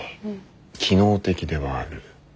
機能的ではある。